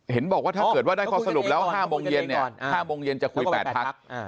เห็นบอกว่าถ้าเกิดได้ข้อสรุปแล้ว๕โมงเย็นจะคุย๘พัก